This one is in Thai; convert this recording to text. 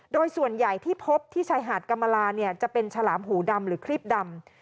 โดยส่วนใหญ่ที่พบที่ชายหาดกรรมลาเนี่ยจะเป็นฉลามหูดำหรือครีบดำ